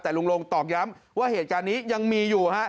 แต่ลุงลงตอกย้ำว่าเหตุการณ์นี้ยังมีอยู่ฮะ